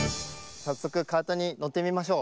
さっそくカートにのってみましょう。